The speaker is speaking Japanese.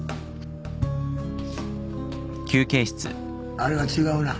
あれは違うな。